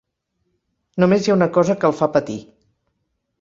Només hi ha una cosa que el fa patir.